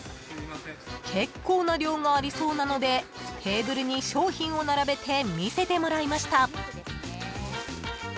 ［結構な量がありそうなのでテーブルに商品を並べて見せてもらいました］